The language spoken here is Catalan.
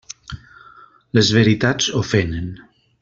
Les veritats ofenen.